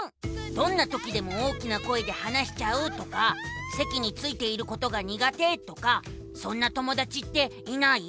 「どんなときでも大きな声で話しちゃう」とか「せきについていることが苦手」とかそんな友だちっていない？